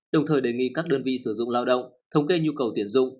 đồng thời đề nghị các đơn vị sử dụng lao động thống kê nhu cầu tuyển dụng